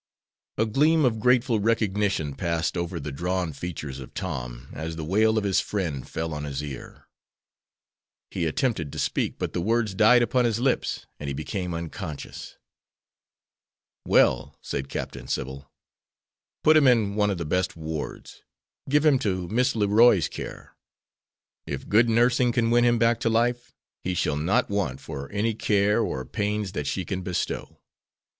A gleam of grateful recognition passed over the drawn features of Tom, as the wail of his friend fell on his ear. He attempted to speak, but the words died upon his lips, and he became unconscious. "Well," said Captain Sybil, "put him in one of the best wards. Give him into Miss Leroy's care. If good nursing can win him back to life, he shall not want for any care or pains that she can bestow.